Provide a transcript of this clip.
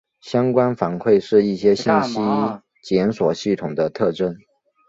相关反馈是一些信息检索系统的特征。